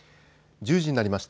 １０時になりました。